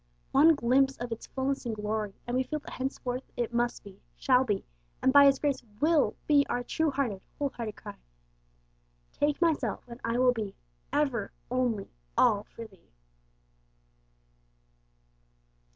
One glimpse of its fulness and glory, and we feel that henceforth it must be, shall be, and by His grace will be our true hearted, whole hearted cry Take myself, and I will be Ever, ONLY, ALL for Thee!